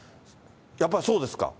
やっぱりそうですか。